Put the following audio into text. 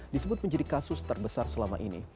disebut menjadi kasus terbesar selama ini